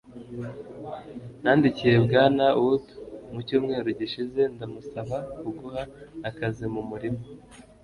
nandikiye bwana wood mu cyumweru gishize ndamusaba kuguha akazi mu murima